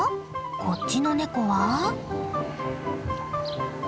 こっちのネコは。